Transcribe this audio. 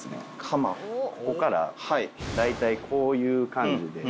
ここから大体こういう感じで。